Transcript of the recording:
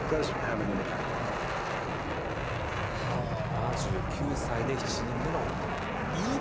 ７９歳で７人目のパパになったということです。